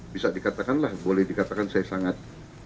bisa dikatakanlah boleh dikatakan saya sangat